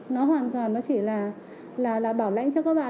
nó hoàn toàn nó chỉ là bảo lãnh cho các bạn